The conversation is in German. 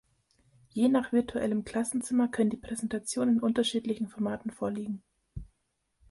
Je nach virtuellem Klassenzimmer können die Präsentationen in unterschiedlichen Formaten vorliegen.